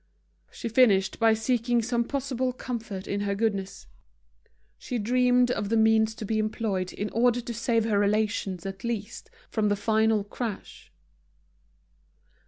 She finished by seeking some possible comfort in her goodness, she dreamed of the means to be employed in order to save her relations at least from the final crash.